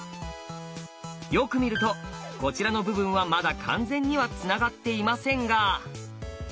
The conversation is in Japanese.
よく見るとこちらの部分はまだ完全にはつながっていませんが。